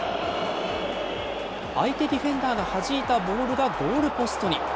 相手ディフェンダーのはじいたボールがゴールポストに。